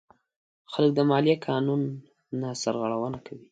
خلک د مالیې قانون نه سرغړونه کوي.